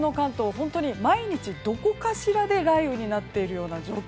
本当に毎日どこかしらで雷雨になっているような状況。